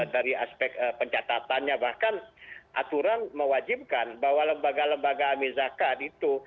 dari aspek pencatatannya bahkan aturan mewajibkan bahwa lembaga lembaga amir zakat itu